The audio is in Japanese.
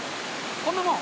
こんなもん！？